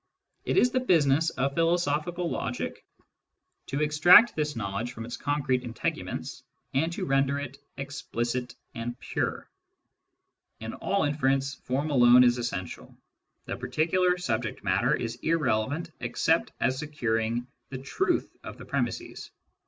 It is the business of philosophical logic to extract this knowledge from its concrete integu ments, and to render it explicit and pure. In all inference, form alone is essential : the particular subject matter is irrelevant except as securing the truth of the premisses.